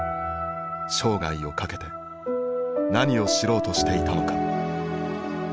生涯をかけて何を知ろうとしていたのか。